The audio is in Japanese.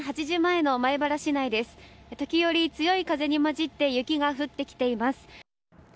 時折強い風に交じって雪が降ってきています。